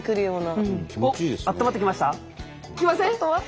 あったまってきました？